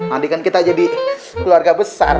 nantikan kita jadi keluarga besar